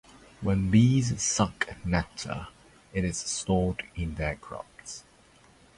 When bees "suck" nectar, it is stored in their crops.